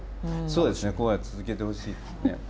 そうですね続けてほしいですね。